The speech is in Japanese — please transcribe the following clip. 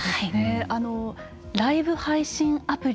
ライブ配信アプリ